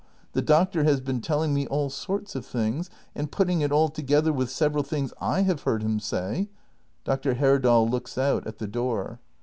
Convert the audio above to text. The Doctor has been telling me all sorts of things; and put ting it all together with several things I have heard him say Dr. Herdal looks out, at the door.